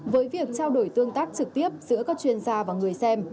với việc trao đổi tương tác trực tiếp giữa các chuyên gia và người xem